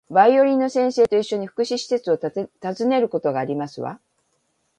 バイオリンの先生と一緒に、福祉施設を訪ねることがありますわ